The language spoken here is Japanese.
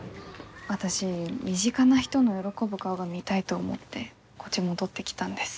私身近な人の喜ぶ顔が見たいと思ってこっち戻ってきたんです。